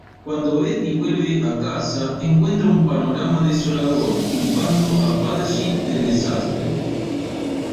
Cuando Betty vuelve a casa, encuentra un panorama desolador, culpando a Pudgy del desastre.